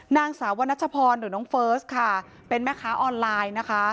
นางสาววนัชพรหรือน้องเฟิร์สค่ะเป็นแม่ค้าออนไลน์นะคะ